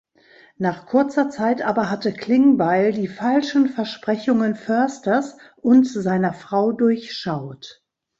Nach kurzer Zeit aber hatte Klingbeil die falschen Versprechungen Försters und seiner Frau durchschaut.